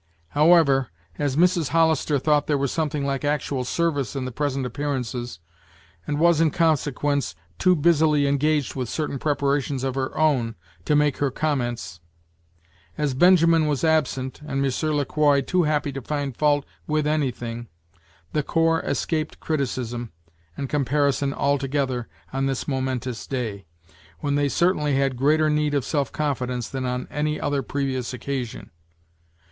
However, as Mrs. Hollister thought there was something like actual service in the present appearances, and was, in consequence, too busily engaged with certain preparations of her own, to make her comments; as Benjamin was absent, and Monsieur Le Quoi too happy to find fault with anything, the corps escaped criticism and comparison altogether on this momentous day, when they certainly had greater need of self confidence than on any other previous occasion.